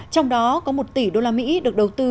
trong đó có một tỷ usd được đầu tư